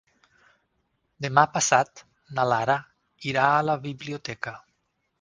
Demà passat na Lara irà a la biblioteca.